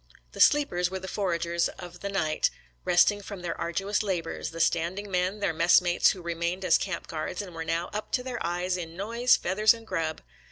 The sleepers were the foragers of ihe night, rest ing from their arduous labors — the standing men, their messmates who remained as camp guards and were now up to their eyes in noise, feathers, and grub.